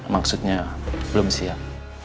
maksudnya belum siap